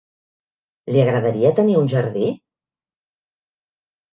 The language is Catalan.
Li agradaria tenir un jardí?